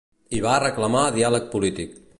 I va reclamar diàleg polític.